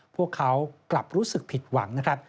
พวกเขากลับรู้สึกผิดหวังนะครับ